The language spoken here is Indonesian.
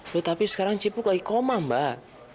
loh tapi sekarang cipluk lagi koma mbak